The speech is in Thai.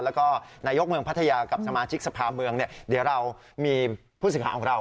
แล้วก็นายกเมืองพัทยากับสมาชิกสภาเมืองเนี่ยเดี๋ยวเรามีผู้สื่อข่าวของเรา